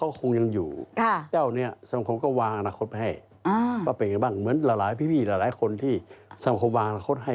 วันนี้ขอบคุณทั้ง๕ท่านนะคะ